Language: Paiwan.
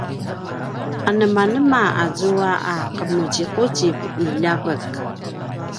anemanema azua a qemuzimuzip i ljavek?